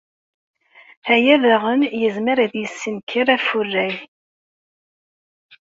Aya daɣen izmer ad yessenker afurray.